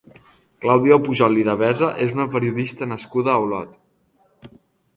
Clàudia Pujol i Devesa és una periodista nascuda a Olot.